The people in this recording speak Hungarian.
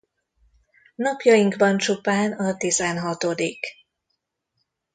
Napjainkban csupán a tizenhatodik.